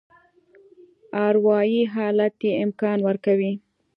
اروایي حالت یې امکان ورکوي.